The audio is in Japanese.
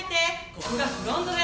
ここがフロントです。